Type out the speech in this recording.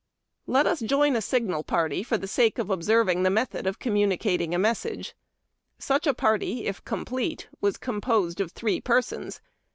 Let us join a signal party for the sake of observing the method of communicating a message. Such a party, if complete, was composed of three persons, viz.